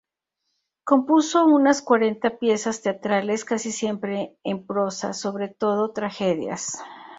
Compuso unas cuarenta piezas teatrales casi siempre en prosa, sobre todo tragedias.